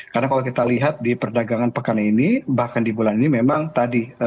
karena kalau kita lihat di perdagangan pekan ini bahkan di bulan ini memang tadi